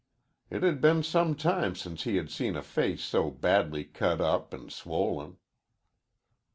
It had been some time since he had seen a face so badly cut up and swollen.